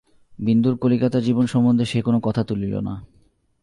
বিন্দুর কলিকাতার জীবন সম্বন্ধে সে কোনো কথা তুলিল না।